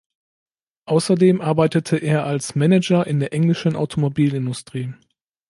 Außerdem arbeitete er als Manager in der englischen Automobilindustrie.